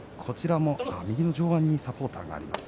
右の上腕にサポーターがあります